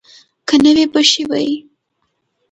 که نه وي بښي به یې.